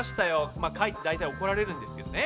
まあかいて大体怒られるんですけどね。